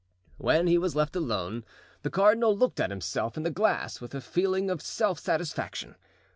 When he was left alone the cardinal looked at himself in the glass with a feeling of self satisfaction.